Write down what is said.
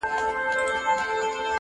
o چي اَیینه وي د صوفي او میخوار مخ ته,